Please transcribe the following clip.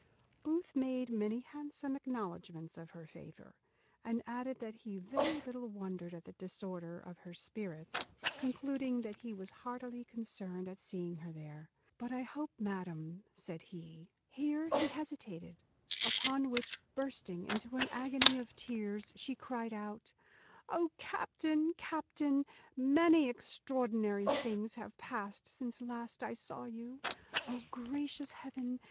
Booth made many handsome acknowledgments of her favour; and added that he very little wondered at the disorder of her spirits, concluding that he was heartily concerned at seeing her there; "but I hope, madam," said he Here he hesitated; upon which, bursting into an agony of tears, she cried out, "O captain! captain! many extraordinary things have passed since last I saw you. O gracious heaven!